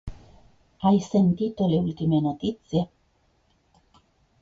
Hai sentito le ultime notizie?